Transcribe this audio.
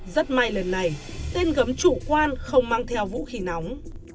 rất may lần này tên gấm chủ quan không mang theo vũ khí nóng